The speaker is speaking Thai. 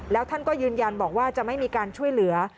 แล้วท่านก็ยืนยันบอกว่าจะไม่มีการช่วยเหลือ